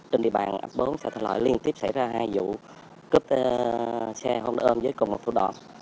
trên địa bàn bốn xe thải loại liên tiếp xảy ra hai vụ cướp xe ôm với cùng một thủ đoạn